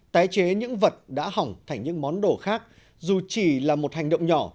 tái chế những vật đã hỏng thành những món đồ khác dù chỉ là một hành động nhỏ